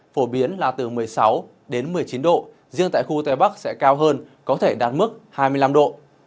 phổ biến là từ một mươi sáu đến một mươi chín độ riêng tại khu tây bắc sẽ cao hơn có thể đạt mức hai mươi năm độ